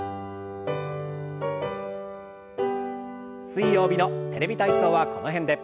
水曜日の「テレビ体操」はこの辺で。